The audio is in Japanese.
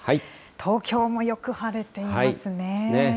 東京もよく晴れていますね。